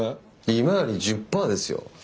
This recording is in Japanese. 利回り１０パーですよ？